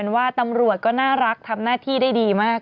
ว่าตำรวจก็น่ารักทำหน้าที่ได้ดีมาก